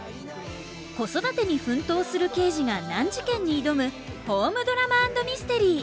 子育てに奮闘する刑事が難事件に挑むホームドラマ＆ミステリー。